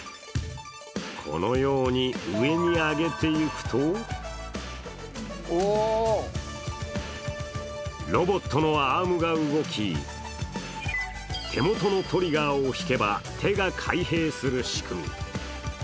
このように上に上げていくとロボットのアームが動き手元のトリガーを引けば手が開閉する仕組み。